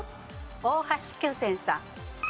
大橋巨泉さん。